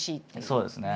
そうですね。